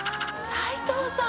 斎藤さん！